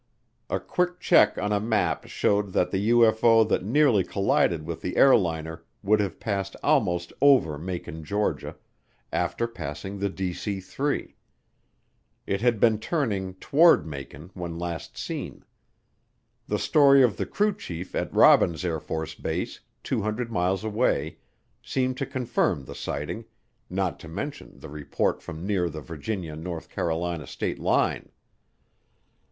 A quick check on a map showed that the UFO that nearly collided with the airliner would have passed almost over Macon, Georgia, after passing the DC 3. It had been turning toward Macon when last seen. The story of the crew chief at Robins AFB, 200 miles away, seemed to confirm the sighting, not to mention the report from near the Virginia North Carolina state line.